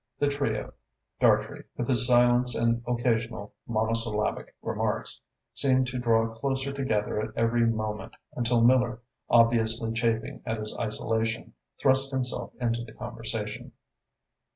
The trio Dartrey, with his silence and occasional monosyllabic remarks seemed to draw closer together at every moment until Miller, obviously chafing at his isolation, thrust himself into the conversation.